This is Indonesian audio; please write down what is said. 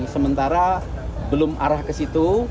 sementara belum arah ke situ